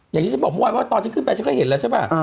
อย่างที่ฉันบอกเมื่อวานว่าตอนฉันขึ้นไปฉันก็เห็นแล้วใช่ป่ะ